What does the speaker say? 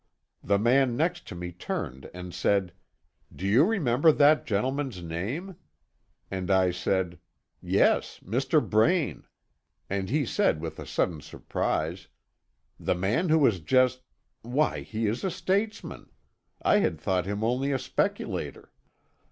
The man next to me turned and said: "Do you remember the gentleman's name?" and I said, "Yes, Mr. Braine," and he said with a sudden surprise, "The man who has just Why, he is a statesman; I had thought him only a speculator!"